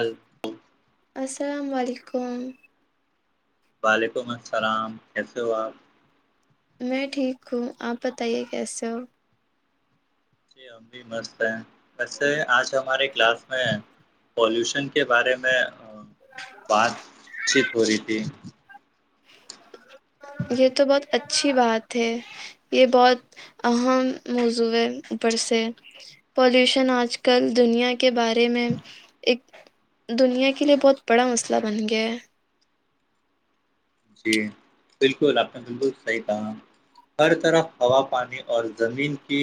اللہ السلام علیکم وعلیکم السلام کیسے ہو آپ میں ٹھیک ہوں آپ بتائیے کیسے ہو جی ہم بھی مست ہیں ایسے آج ہمارے کلاس میں پالوشن کے بارے میں بات چیت ہو رہی تھی یہ تو بہت اچھی بات ہے یہ بہت اہم موضوع ہے اوپر سے پالوشن آج کل دنیا کے بارے میں ایک دنیا کے لیے بہت بڑا مسئلہ بن گیا ہے جی بالکل آپ نے بالکل صحیح کہا ہر طرف ہوا پانی اور زمین کی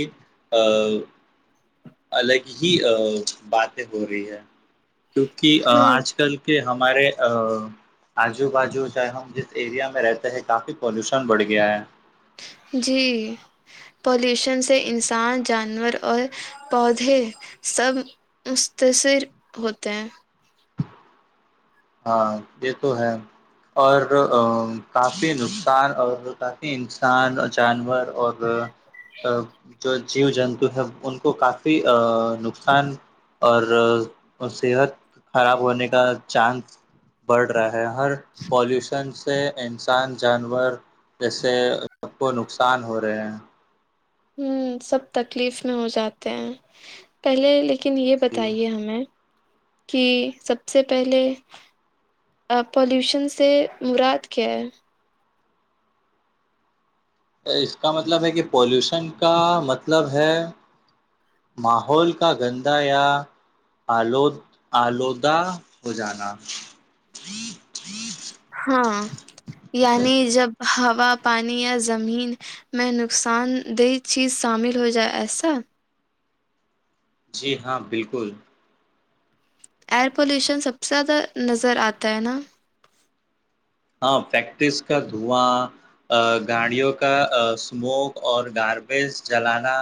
الگ ہی باتیں ہو رہی ہے کیونکہ ہاں آج کل کہ ہمارے آجو بازو کیا ہے ہم جس ایریا میں رہتے ہیں کافی پولیوشن بڑھ گیا ہے جی پالوشن سے انسان جانور اور پودے سب مستصر ہوتے ہیں ہاں یہ تو ہے اور کافی نقصان اور کافی انسان جانور اور ا ا جو جیو جنتو ہے ان کو کافی نقصان اور صحت خراب ہونے کا چانس بڑھ رہا ہے ہر پولیوشن سے انسان جانور جیسے سب کو نقصان ہو رہے ہیں ہوں سب تکلیف میں ہو جاتے ہیں پہلے لیکن یہ جی بتائیے ہمیں کی سب سے پہلے پالیوشن سے مراد کیا ہے اس کا مطلب ہے کہ پولیوشن کا مطلب ہے ماحول کا گندہ یا آلود آلودہ ہو جانا ہاں یعنی جب ہوا پانی یا زمین میں نقصان دہ چیز شامل ہو جائے ایسا جی ہاں بالکل ایئر پولیوشن سب سے زیادہ نظر آتا ہے نا ہاں فریکٹس کا دھواں ا گاڑیوں کا ا اسموک اور گاربیج جلانا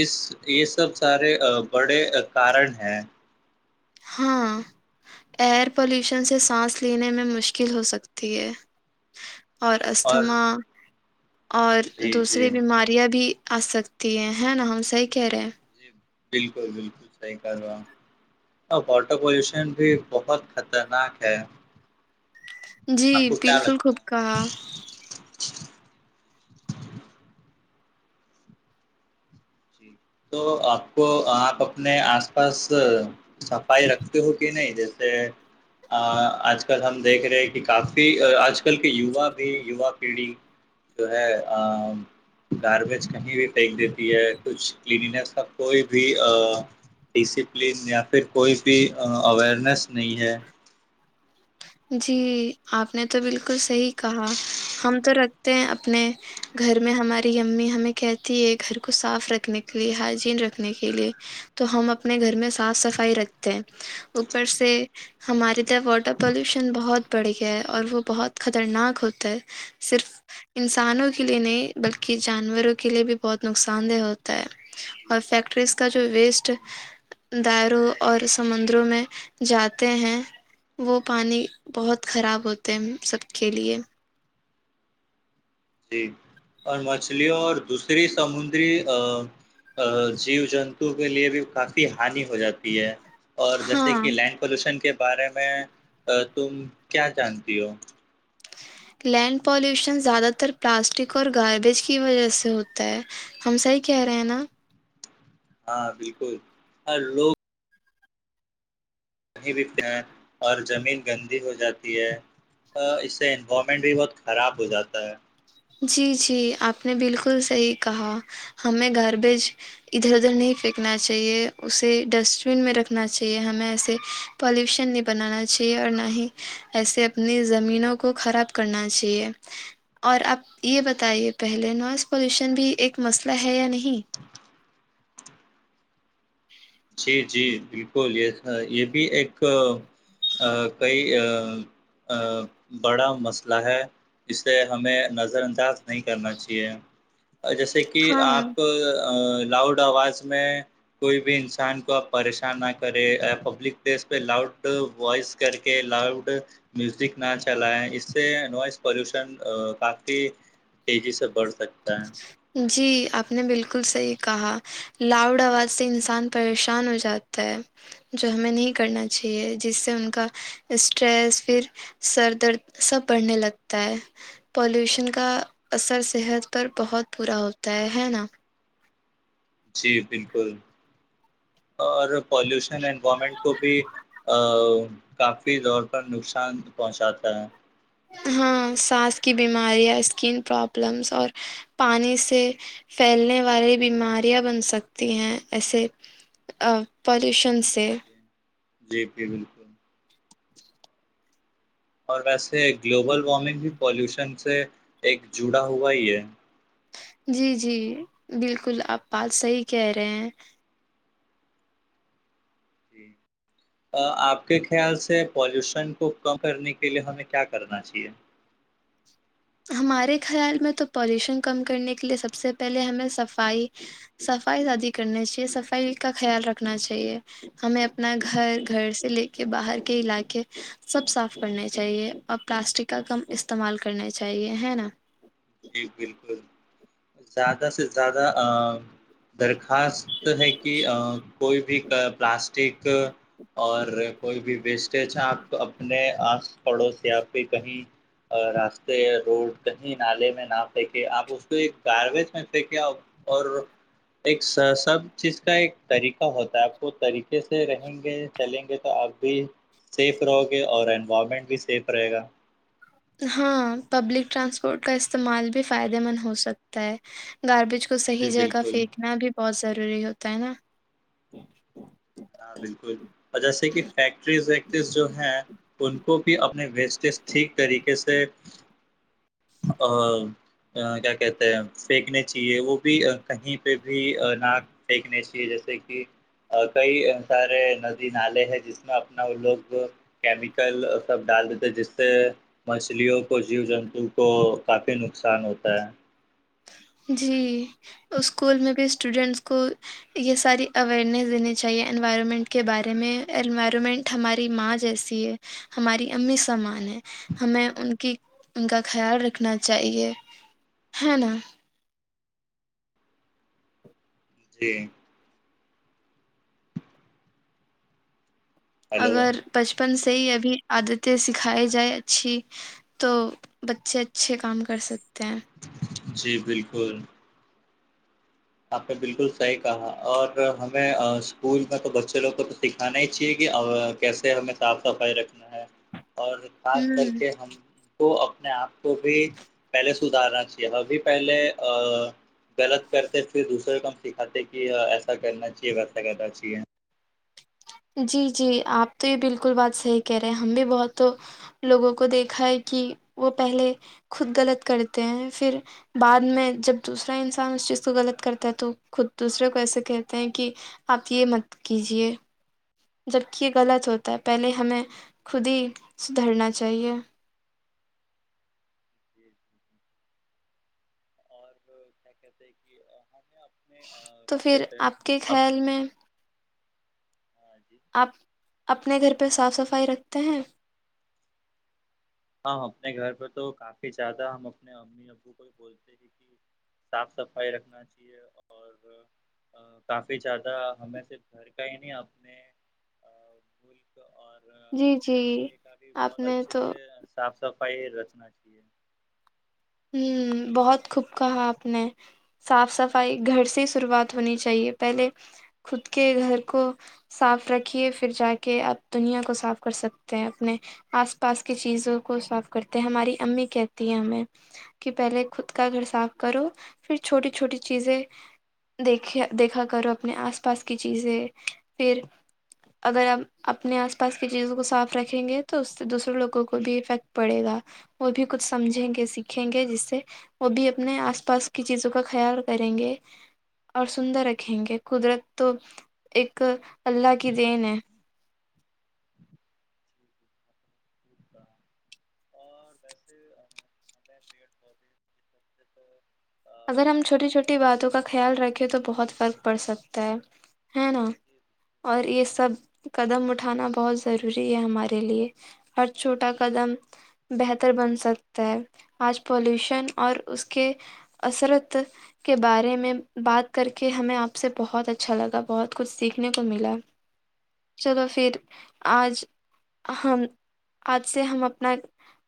اس یہ سب سارے بڑے کارن ہیں ہاں ایئر پلیوشن سے سانس لینے میں مشکل ہو سکتی ہے اور استھما اور جی جی دوسری بیماری بھی ابھی آ سکتی ہے ہے نا ہم صحیح کہہ رہے ہیں جی بالکل بالکل صحیح کہہ رہے ہو آپ اور واٹر پولیوشن بھی بہت خطرناک ہے جی آپ کو کیا بالکل لگتا خوب ہے کہا جی تو آپ کو آپ اپنے آس پاس صفائی رکھتی ہو کہ نہیں جیسے آج کل ہم دیکھ رہے کہ کافی آج کل کے یوا بھی یوا پیڑی جو ہے ا گاربیج کہیں بھی پھینک دیتی ہے کچھ کلیاننیس کا کوئی بھی آ ڈسپلین یا پھر کوئی بھی اوئیرنیس نہیں ہے جی آپ نے تو بالکل صحیح کہا ہم تو رکھتے ہیں اپنے گھر میں ہماری امی ہمیں کہتی ہے گھر کو صاف رکھنے کے لیے ہائجین رکھنے کے لیے تو ہم اپنے گھر میں صاف صفائی رکھتے ہیں اوپر سے ہماریے طر واٹر پلیوشن بہت بڑھ گیا ہے اور وہ بہت خطرناک ہوتا ہے صرف انسانوں کے لیے نہیں بلکہ جانوروں کے لیے بھی بہت نقصان دہ ہوتا ہے اور جی فیکٹریز کا جو ویسٹ جی داروں اور سمندروں میں جاتے ہیں وہ پانی بہت خراب ہوتے ہیں سب کے لیے جی اور مچھلیوں اور دوسری سمندری جیو جنتو کے لیے بھی کافی ہانی ہو جاتی ہے اور جیسے ہاں کہ لینڈ پولوشن کے بارے میں تم کیا جانتی ہو لینڈ پولیوشن زیادہ تر پلاسٹک اور گاربیج کی وجہ سے ہوتا ہے ہم صحیح کہہ رہے ہیں نا ہاں بالکل اور لوگ کہیں بھی اور زمین گندی ہو جاتی ہے اس سے انوالو مائنڈ بھی بہت خراب ہو جاتا ہے جی جی آپ نے بالکل صحیح کہا ہمیں گاربیج ادھر ادھر نہیں فینکنا چاہیے اسے ڈسٹ بن میں رکھنا چاہیے ہمیں ایسے پالیوشن نہیں بنانا چاہیے اور نہ ہی ایسے اپنی زمینوں کو خراب کرنا چاہیے اور آپ یہ بتائیے پہلے نائس پولیوشن بھی ایک مسئلہ ہے یا نہیں [unintelligible] جی جی بالکل یہ یہ بھی ایک ا کئی آ آ بڑا مسئلہ ہے اسے ہمیں نظر انداز نہیں کرنا چاہیے اور جیسے کہ ہاں آپ لاوڈ آواز میں کوئی بھی انس سان کو آپ پریشان نہ کریں پبلک پلیس پہ لاؤڈ ووائس کر کے لاؤڈ میوزک نہ چلائے اس سے نوائز پولیوشن کافی تیزی سے بڑھ سکتا ہے جی آپ نے بالکل صحیح کہا لاؤڈ آواز سے انسان پریشان ہو جا تا ہے جو ہمیں نہیں کرنا چاہیے جس سے ان کا اسٹریس پھر سر درد سب بڑھنے لگتا ہے پالوشن کا اثر صحت پر بہت برا ہوتا ہے ہے نا جی بالکل اور پولیوشن انوائمنٹ کو بھی ا کافی زور پر نقصان پہنچاتا ہے ہاں سانس کی بیماریاں اسکن پرابلمس اور پانی سے پھیلنے والی بیماریاں بن سکتی ہیں ایسے ا پالیوشن سے جی جی بالکل اور ویسے گلوبل وارمنگ بھی پالیوشن سے ایک جڑا ہوا ہی ہے جی جی بالکل آپ بات صحیح کہہ رہے ہیں جی آپ کے خیال سے پولیوشن کو کم کرنے کے لیے ہمیں کیا کرنا چاہیے ہمارے خیال میں تو پولیوشن کم کرنے کے لیے سب سے پہلے ہمیں صفائی صفائی زیادی کرنی چاہیے صفائی کا خیال رکھنا چاہیے ہمیں اپنا گھر گھر سے لے کے باہر کے علاقے سب صاف کرنے چاہیے اور پلاسٹک کا کم استعمال کرنا چاہیے ہے نا جی بالکل زیادہ سے زیادہ ا درخواست ہے کہ ا کوئی بھی کا پلاسٹک اور کوئی بھی ویسٹیج ہے آپ اپنے آس پڑوس یا آپ کے کہیں ا راستے روڈ کہیں نالے نہ پھینکے آپ اس کو ایک گار بیج میں پھینکے اور ایک س سب چیز کا ایک طریقہ ہوتا ہے آپ کو طریقے سے رہیں گے چلیں گے تو آپ بھی سیف رہو گے اور انوائرمنٹ بھی سیف رہے گا ہاں پبلک ٹرانسپورٹ کا استعمال بھی فائدے مند ہو سکتا ہے گاربیج کو جی صحیح جگہ بالکل پھینکنا بھی بہت ضروری ہوتا ہے نا ہاں بالکل اور جیسے کہ فیکٹریز ویکٹریز جو ہیں ان کو بھی اپنے ویسٹیج ٹھیک طریقے سے ا ا کیا کہتے ہیں پھینکنے چاہیے وہ بھی کہیں پہ بھی نا پھینکنے چاہیے جیسے کی کئی سارے ندی نالے ہے جس میں اپنا وہ لوگ کیمیکل سب ڈال دیتے جس سے مچھلیوں کو جیو جنتو کو کافی نقصان ہوتا ہے جی اسکول میں بھی اسٹوڈینٹس کو یہ ساری اوئیرنیس دینی چاہیے انوائرمنٹ کے بارے میں انوائرمنٹ ہماری ماں جیسی ہے ہماری امی سمان ہے ہمیں ان کی ان کا خیال رکھنا چاہیے ہے نا جی ہلو اگر بچپن سے ہی ابھی عادتیں سکھائی جائیں اچھی تو بچے اچھے کام کر سکتے ہیں جی بالکل آپ نے بالکل صحیح کہا اور ہمیں ا اسکول میں تو بچے لوگ کو تو سکھانا ہی چاہیے کہ ا کیسے ہمیں صاف صفائی رکھنا ہے اور خاص کر ہوں کے ہم تو اپنے آپ کو بھی پہلے سدھارنا چاہیے ابھی پہلے غلط کرتے پھر دوسرے کو ہم سکھاتے کہ ایسا کرنا چاہیے ویسا کرنا چاہیے جی جی آپ تو یہ بالکل بات صحیح کہہ رہے ہیں ہم بھی وہ تو لوگوں کو دیکھا ہے کہ وہ پہلے خود غلط کرتے ہیں پھر بعد میں جب دوسرا انسان اس چیز کو غلط کرتا ہے تو خود دوسرے کو ایسے کہتے ہیں کہ آپ یہ مت کیجیے جب کہ یہ غلط ہوتا ہے پہلے ہمیں خود ہی سدھرنا چاہیے اور کیا کہتے کہ آ ہمیں اب اپنے تو کیا پھر کہتے ہیں آپ کے خیال میں ہاں جی آپ اپنے گھر پہ صاف صفائی رکھتے ہیں ہم اپنے گھر پہ تو کافی زیادہ ہم اپنے امی ابو کو بھی بول تے ہیں کہ صاف صفائی رکھنا چاہیے اور آ آ کافی زیادہ ہمیں صرف گھر کا ہی نہیں اپنے ا بول جی جی آپ بہت نے اچھے تو سے صاف صفائی رکھنا چاہیے ہوں بہت خوب کہا آپ نے صاف صفائی گھر سے شروعات ہونی چاہیے پہلے خود کے گھر کو صاف رکھیے پھر جا کے آپ دنیا کو صاف کر سکتے ہیں اپنے آس پاس کی چیزوں کو صاف کرتے ہیں ہماری امی کہتی ہیں ہمیں کہ پہلے خود کا گھر جی صاف کرو بالکل پھر چھوٹی چھوٹی چیزیں دیکھ دیکھا کرو اپنے آس پاس کی چیزیں پھر اگر آ اپنے آس پاس کی چیزوں کو صاف رکھیں گے تو اس سے دوسرے لوگوں کو بھی افیکٹ پڑے گا اور بھی کچھ سمجھیں گے س رکھیں گے جس سے وہ بھی اپنے آس پاس کی چیزوں کا خیال کریں گے اور سندر رکھیں گے قدرت تو ایک اللہ کی دین ہے جی [unintelligible] اور ویسے ہمیں پیڑ پودے [unintelligible] تو اگر ہم چھوٹی کاٹنا نہیں چھوٹی باتوں چاہیے کا خیال رکھیں تو بہت فرق پڑ سکتا ہے ہے نا جی بالکل۔ اور یہ سب قدم اٹ ھانا بہت ضروری ہے ہمارے لیے ہر چھوٹا قدم بہتر بن سکتا ہے آج پالوشن اور اس کے اصرت کے بارے میں بات کر کے ہمیں آپ سے بہت اچھا لگا بہت کچھ سیکھنے کو ملا چلو پھر آج ہم آج سے ہم اپنا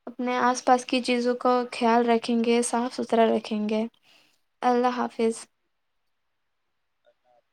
اپنے آس پاس کی چیزوں کو خیال رکھیں گے صاف ستھرا رکھیں گے اللہ حافظ اللہ حافظ